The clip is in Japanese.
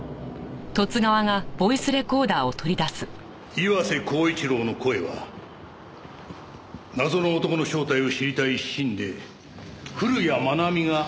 岩瀬厚一郎の声は謎の男の正体を知りたい一心で古谷愛美が録音したものです。